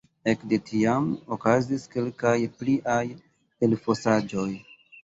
Ekde tiam okazis kelkaj pliaj elfosaĵoj.